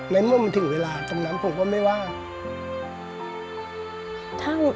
ในมุมถึงเวลาตรงนั้นผมก็ไม่ว่า